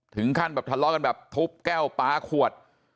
ถึงขั้นแบบทะเลาะกันแบบทุบแก้วปลาขวด